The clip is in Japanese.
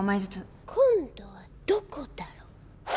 今度はどこだろ？